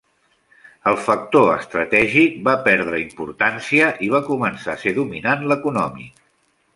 El factor estratègic va perdre importància i va començar a ser dominant l'econòmic.